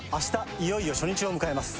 いよいよ初日を迎えます